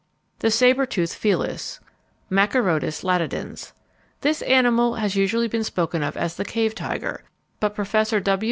The Sabre toothed Felis (Machairodus latidens). This animal has usually been spoken of as the cave tiger, but Professor W.